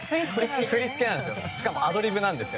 振り付けなんです。